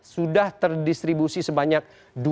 sudah terdistribusi sebanyak dua ribu